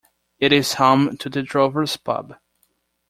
It is home to the Drovers Pub.